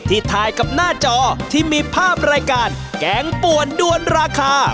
ถ่ายกับหน้าจอที่มีภาพรายการแกงป่วนด้วนราคา